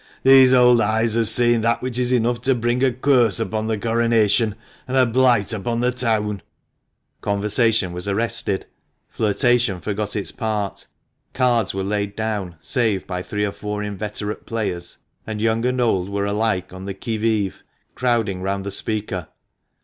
These old eyes have seen that which is enough to bring a curse upon the coronation and a blight upon the town." Conversation was arrested, flirtation forgot its part, cards were laid down, save by three or four inveterate players, and young and old were alike on the qui mve, crowding round the speaker.